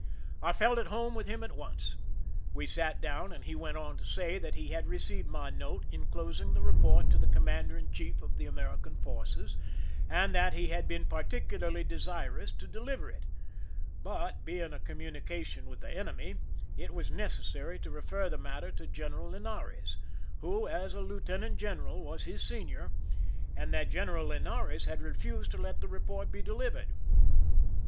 I felt at home with him at once. We sat down, and he went on to say that he had received my note inclosing the report to the com mander in chief of the American forces, and that he had been particularly desirous to deliver it ; but being a communication with the enemy, it was necessary to refer the matter to General Linares, who, as a lieutenant general, was his senior, and that General Linares had refused to let the report be delivered.